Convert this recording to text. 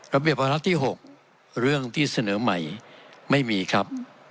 ระเบียบวาระที่๖เรื่องที่เสนอใหม่ไม่มีครับ